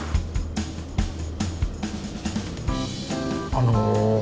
あの。